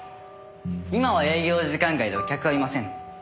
今は営業時間外でお客はいません。